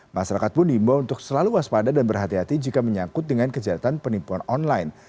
masyarakat pun diimbau untuk selalu waspada dan berhati hati jika menyangkut dengan kejahatan penipuan online